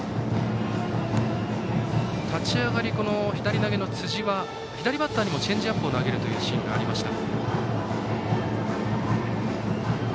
立ち上がり、左投げの辻は左バッターにもチェンジアップを投げるというシーンがありました。